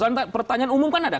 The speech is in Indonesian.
pertanyaan umum kan ada